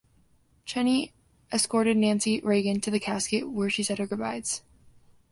Cheney escorted Nancy Reagan to the casket, where she said her goodbyes.